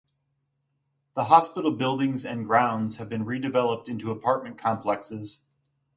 The hospital buildings and grounds have been redeveloped into apartment complexes.